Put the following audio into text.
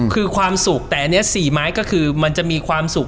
คือความสุขแต่อันนี้๔ไม้ก็คือมันจะมีความสุข